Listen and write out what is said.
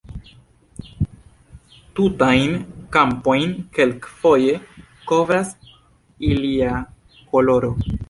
Tutajn kampojn kelkfoje kovras ilia koloro.